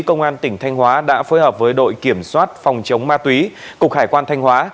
công an tỉnh thanh hóa đã phối hợp với đội kiểm soát phòng chống ma túy cục hải quan thanh hóa